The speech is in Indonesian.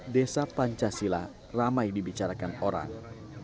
desa pancasila ramai dibicarakan orang